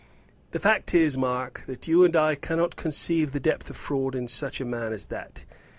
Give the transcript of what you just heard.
The fact is, Mark, that you and I cannot conceive the depth of fraud in such a man as that.